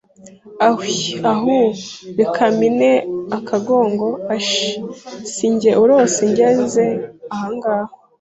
Ahwiii!/Ahuuu! Reka mpine akagongo. Ashyiii! Si nge urose ngeze aha ngaha!